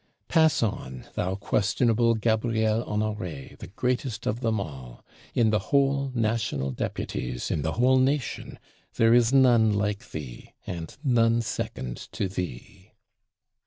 Pass on, thou questionable Gabriel Honoré, the greatest of them all: in the whole National Deputies, in the whole Nation, there is none like and none second to thee.